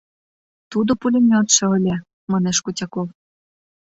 — Тудо пулемётышто ыле, — манеш Кутяков.